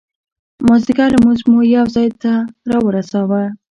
مازدیګر لمونځ مو یو ځای ته را ورساوه.